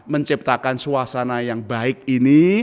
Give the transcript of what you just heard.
menciptakan suasana yang baik ini